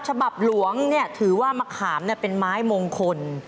ฉบับหลวงถือว่ามะขามเป็นไม้มงคล